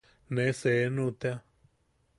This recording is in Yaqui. Ne seenu tea.